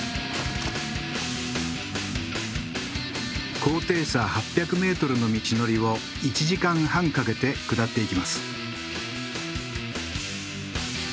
高低差８００ｍの道のりを１時間半かけて下っていきます。